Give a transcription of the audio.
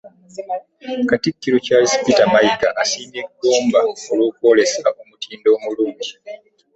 Katikkiro Charles Peter Mayiga asiimye Gomba olw'okwolesa omutindo omulungi